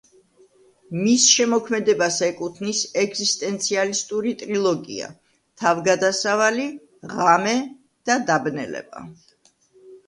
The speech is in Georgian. მის შემოქმედებას ეკუთვნის ეგზისტენციალისტური ტრილოგია: „თავგადასავალი“, „ღამე“ და „დაბნელება“.